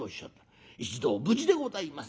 『一同無事でございます』